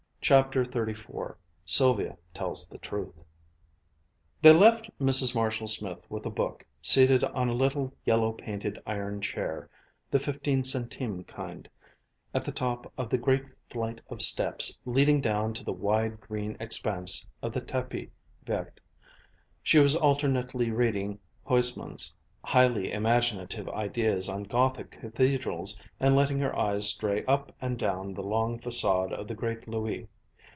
CHAPTER XXXIV SYLVIA TELLS THE TRUTH They left Mrs. Marshall Smith with a book, seated on a little yellow painted iron chair, the fifteen centime kind, at the top of the great flight of steps leading down to the wide green expanse of the Tapis Vert. She was alternately reading Huysmans' highly imaginative ideas on Gothic cathedrals, and letting her eyes stray up and down the long façade of the great Louis.